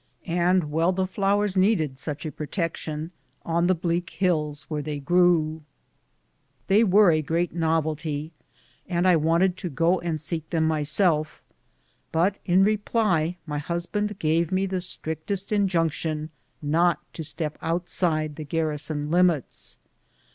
And well the flowers needed such protection on the bleak hills where they grew. They were a great novelty, and I wanted to go and seek them myself, but my husband gave me the strictest in INDIAN DEPREDATIONS. 165 junction in reply not to step outside the garrison limits.